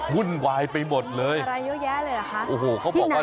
หุ้นวายไปหมดเลยที่ไหนอ่ะ